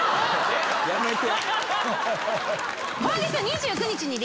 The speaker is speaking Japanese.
やめて！